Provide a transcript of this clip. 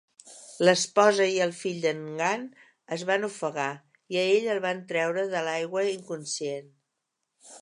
L'esposa i el fill de Ngan es van ofegar, i a ell el van treure de l'aigua inconscient.